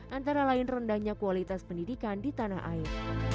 antara lain rendahnya kualitas pendidikan di tanah air